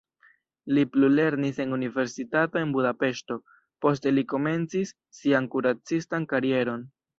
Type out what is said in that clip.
Li plulernis en universitato en Budapeŝto, poste li komencis sian kuracistan karieron.